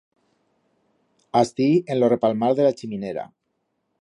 Astí, en lo repalmar de la chiminera.